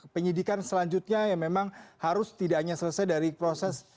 penyidikan selanjutnya yang memang harus tidak hanya selesai dari proses